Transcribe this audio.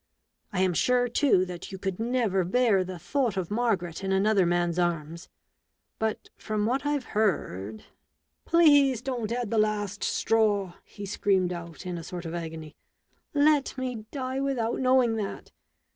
I am sure, too, that you could never bear the thought of Margaret in another man's arms ; but from what I've heard " 11 Please don't add the last straw," he screamed out in a sort of agony; "let me die without knowing that